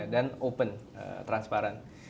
dan open transparan